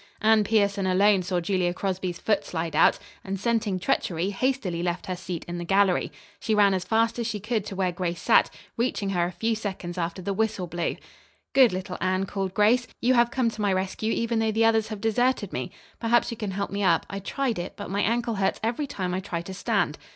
Anne Pierson alone saw Julia Crosby's foot slide out, and, scenting treachery, hastily left her seat in the gallery. She ran as fast as she could to where Grace sat, reaching her a few seconds after the whistle blew. "Good little Anne," called Grace. "You have come to my rescue even though the others have deserted me. Perhaps you can help me up. I tried it, but my ankle hurts every time I try to stand."